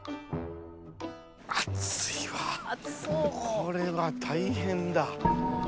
これは大変だ。